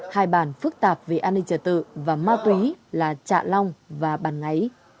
hai bản phức tạp về an ninh trật tự và ma túy là trạ long và bàn ngáy